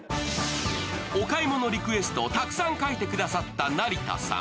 お買い物リストをたくさん書いてくださった成田さん。